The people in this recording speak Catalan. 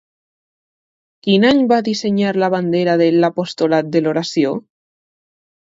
Quin any va dissenyar la bandera de l'"apostolat de l'oració"?